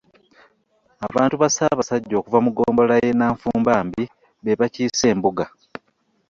Abantu ba Ssaabasajja okuva mu ggombolola ya Nanfumbambi be bakiise embuga.